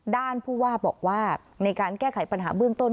ผู้ว่าบอกว่าในการแก้ไขปัญหาเบื้องต้น